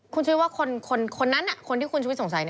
คุณชุวิตว่าคนนั้นคนที่คุณชุวิตสงสัย